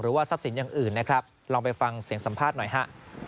ทรัพย์สินอย่างอื่นนะครับลองไปฟังเสียงสัมภาษณ์หน่อยฮะ